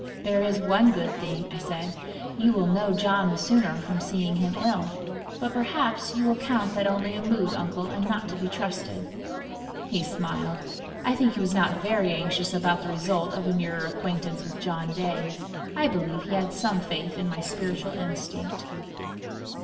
"There is one good thing," I said: "you will know John the sooner from seeing him ill! But perhaps you will count that only a mood, uncle, and not to be trusted!" He smiled. I think he was not very anxious about the result of a nearer acquaintance with John Day. I believe he had some faith in my spiritual instinct.